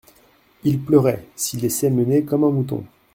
Il pleurait, s'y laissait mener comme un mouton.